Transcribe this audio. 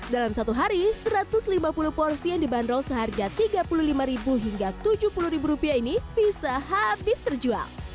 dalam satu hari satu ratus lima puluh porsi yang dibanderol seharga tiga puluh lima hingga rp tujuh puluh ini bisa habis terjual